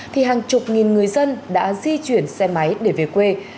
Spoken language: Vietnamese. thì hàng chục nghìn người dân đã di chuyển xe máy để về quê